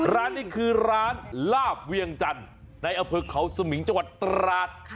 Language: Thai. ร้านนี้คือร้านลาบเวียงจันทร์ในอำเภอเขาสมิงจังหวัดตราด